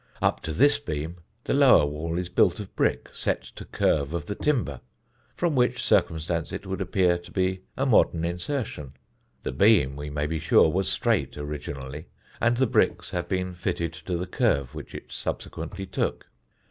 Up to this beam the lower wall is built of brick set to curve of the timber, from which circumstance it would appear to be a modern insertion. The beam, we may be sure, was straight originally, and the bricks have been fitted to the curve which it subsequently took.